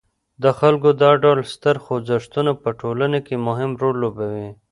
د خلکو دا ډول ستر خوځښتونه په ټولنه کې مهم رول لوبوي.